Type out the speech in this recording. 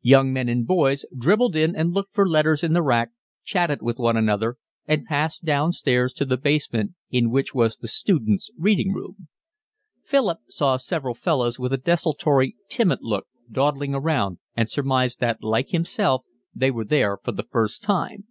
Young men and boys dribbled in and looked for letters in the rack, chatted with one another, and passed downstairs to the basement, in which was the student's reading room. Philip saw several fellows with a desultory, timid look dawdling around, and surmised that, like himself, they were there for the first time.